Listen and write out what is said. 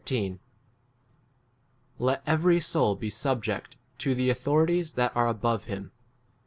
XIII. Let every soul be subject' to the authorities that are above [him].